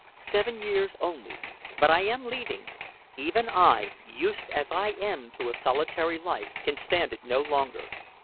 "Seven years only. But I am leaving. Even I, used as I am to a solitary life, can stand it no longer.